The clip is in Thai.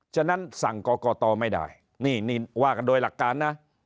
ฉะนั้นสั่งกรกตไม่ได้นี่ว่ากันโดยหลักการนะ